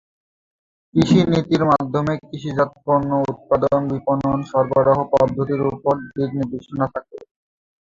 কৃষি নীতির মাধ্যমে কৃষিজাত পণ্য উৎপাদন, বিপণন, সরবরাহ পদ্ধতির উপর দিক-নির্দেশনা থাকে।